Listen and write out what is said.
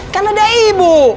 kan ada ibu